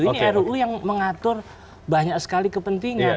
ini ruu yang mengatur banyak sekali kepentingan